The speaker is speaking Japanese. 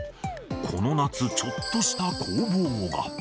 この夏、ちょっとした攻防が。